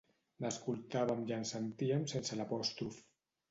N'escoltàvem i en sentíem sense l'apòstrof.